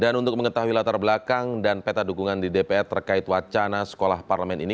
dan untuk mengetahui latar belakang dan peta dukungan di dpr terkait wacana sekolah parlemen ini